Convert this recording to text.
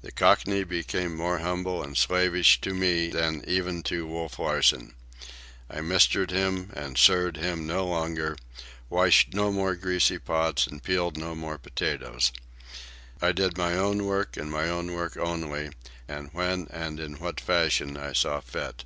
The Cockney became more humble and slavish to me than even to Wolf Larsen. I mistered him and sirred him no longer, washed no more greasy pots, and peeled no more potatoes. I did my own work, and my own work only, and when and in what fashion I saw fit.